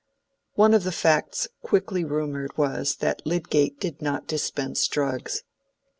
One of the facts quickly rumored was that Lydgate did not dispense drugs.